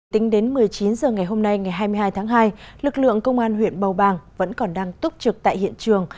tính đến một mươi chín h ngày hôm nay ngày hai mươi hai tháng hai lực lượng công an huyện bầu bàng vẫn còn đang túc trực tại hiện trường